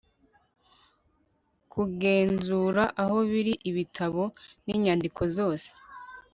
Kugenzura aho biri ibitabo n inyandiko zose